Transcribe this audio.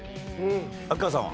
秋川さんは？